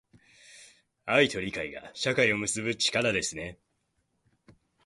愛と理解が、社会を結ぶ力ですね。